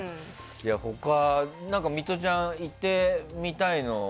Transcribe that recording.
他、ミトちゃんいってみたいのは。